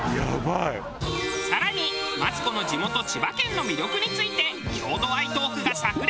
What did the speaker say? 更にマツコの地元千葉県の魅力について郷土愛トークが炸裂。